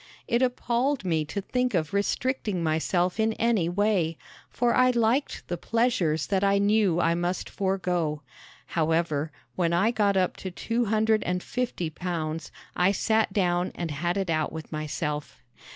It appalled me to think of restricting myself in any way, for I liked the pleasures that I knew I must forego. However, when I got up to two hundred and fifty pounds I sat down and had it out with myself.